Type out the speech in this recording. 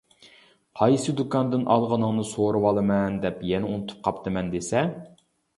قايسى دۇكاندىن ئالغىنىڭنى سورىۋالىمەن، دەپ يەنە ئۇنتۇپ قاپتىمەن دېسە!